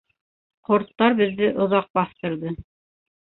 Ҡорттар беҙҙе оҙаҡ баҫтырҙы.